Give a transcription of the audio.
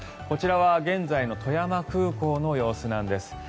こちらは現在の富山空港の様子なんです。